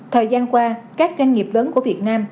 thời gian qua các doanh nghiệp lớn của việt nam